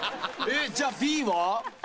えっじゃあＢは？